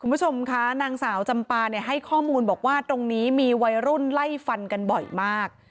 คุณผู้ชมคะนางสาวจำปาเนี่ยให้ข้อมูลบอกว่าตรงนี้มีวัยรุ่นไล่ฟันกันบ่อยมาก